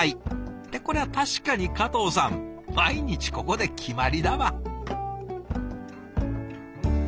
ってこれは確かに加藤さん毎日ここで決まりだわ。